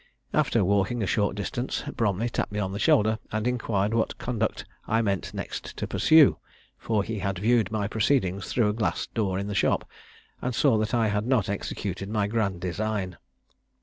After walking a short distance, Bromley tapped me on the shoulder, and inquired what conduct I meant next to pursue; for he had viewed my proceedings through a glass door in the shop, and saw that I had not executed my grand design.